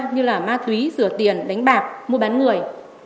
như ma thúy rửa tiền đánh bạc mua bán người